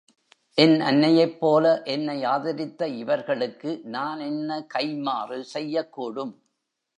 என் அன்னையைப் போல என்னை ஆதரித்த இவர்களுக்கு நான் என்ன கைம்மாறு செய்யக்கூடும்?